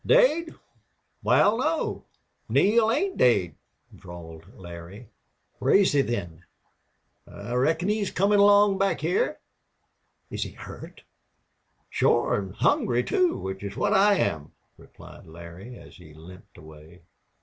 "Daid? Wal, no, Neale ain't daid," drawled Larry. "Where is he, then?" "I reckon he's comin' along back heah." "Is he hurt?" "Shore. An' hungry, too, which is what I am," replied Larry, as he limped away.